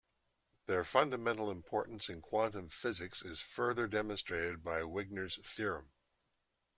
Their fundamental importance in quantum physics is further demonstrated by Wigner's Theorem.